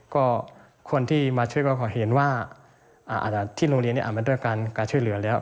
ก็คนที่มาช่วยก็ขอเห็นว่าที่โรงเรียนอาจมาด้วยการช่วยเหลือแล้ว